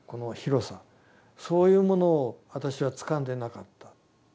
そういうものを私はつかんでなかった。